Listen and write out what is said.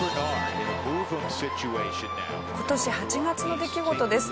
今年８月の出来事です。